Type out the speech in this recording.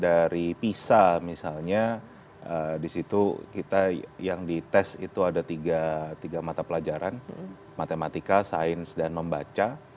dari pisa misalnya disitu kita yang dites itu ada tiga mata pelajaran matematika sains dan membaca